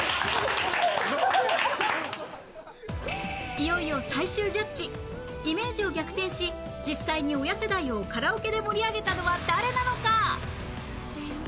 いよいよ最終ジャッジイメージを逆転し実際に親世代をカラオケで盛り上げたのは誰なのか？